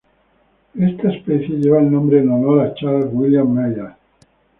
Esta especie lleva el nombre en honor a Charles William Myers.